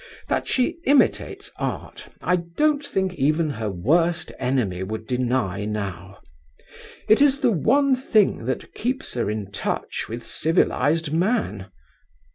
That she imitates Art, I don't think even her worst enemy would deny now. It is the one thing that keeps her in touch with civilised man.